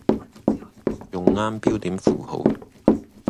用啱標點符號